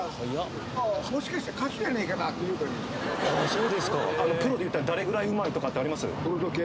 そうですか